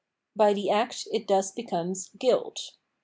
By the act it thus becomes Guilt.